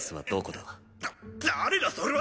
だ誰だそれは？